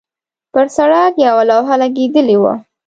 پر سړک یوه لوحه لګېدلې وه.